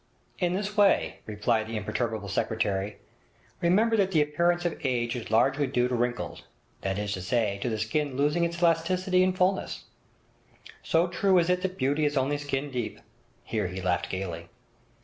'In this way,' replied the imperturbable secretary. 'Remember that the appearance of age is largely due to wrinkles; that is to say, to the skin losing its elasticity and fulness—so true is it that beauty is only skin deep.' Here he laughed gaily.